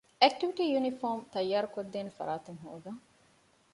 އެކްޓިވިޓީ ޔުނީފޯމު ތައްޔާރުކޮށްދޭނެ ފަރާތެއް ހޯދަން